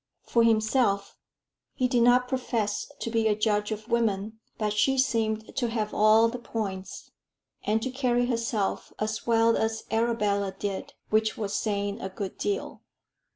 For himself, he did not profess to be a judge of women, but she seemed to have all the "points," and to carry herself as well as Arabella did, which was saying a good deal.